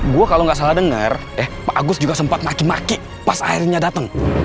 gue kalau nggak salah dengar eh pak agus juga sempat maki maki pas airnya datang